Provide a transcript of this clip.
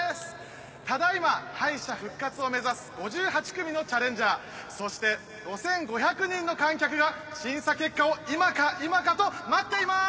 ただ今敗者復活を目指す５８組のチャレンジャーそして５５００人の観客が審査結果を今か今かと待っています！